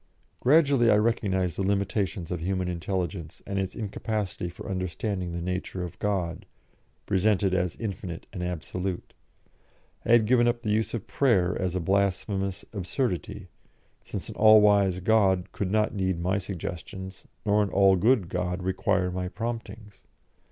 Gradually I recognised the limitations of human intelligence and its incapacity for understanding the nature of God, presented as infinite and absolute; I had given up the use of prayer as a blasphemous absurdity, since an all wise God could not need my suggestions, nor an all good God require my promptings.